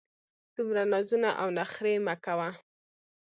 دومره نازونه او نخرې مه کوه!